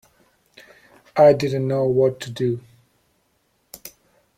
I didn't know what to do.